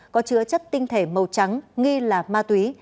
có chứa chất tinh thể màu trắng nghi là ma túy